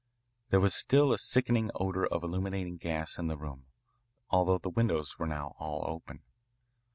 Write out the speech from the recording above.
There was still a sickening odour of illuminating gas in the room, although the windows were now all open.